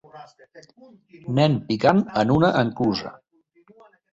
Nen picant en una enclusa.